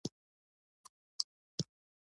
د فصل د کښت لپاره باید مناسب تخنیکونه وکارول شي.